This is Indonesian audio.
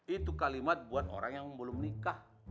itu kalimat buat orang yang belum nikah